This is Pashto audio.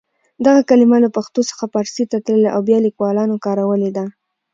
دغه کلمه له پښتو څخه پارسي ته تللې او بیا لیکوالانو کارولې ده.